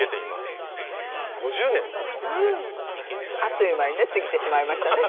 あっという間にね過ぎてしまいましたね。